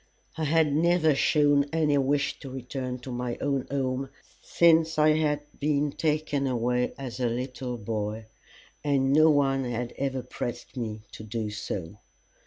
I had never shown any wish to return to my own home since I had been taken away as a little boy, and no one had ever pressed me to do so.